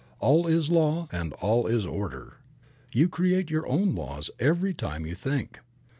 All is law and all is order. You create your own laws every time you think.